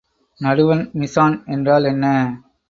நடுவன் mise en என்றால் என்ன?